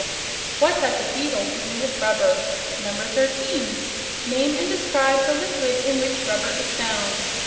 What has a beetle to do with rubber? 13. Name and describe the liquid in which rubber is found?